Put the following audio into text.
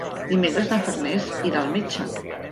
Dimecres na Farners irà al metge.